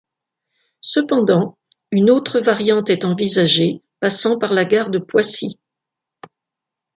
Cependant, une autre variante est envisagée, passant par la gare de Poissy.